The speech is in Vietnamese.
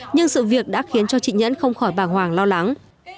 nhưng sự việc đã khiến cho chị nhẫn không khỏi bàng hoàng lo lắng